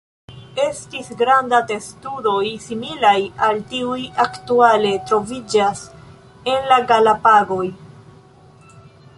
Estis granda testudoj, similaj al tiuj aktuale troviĝas en la Galapagoj.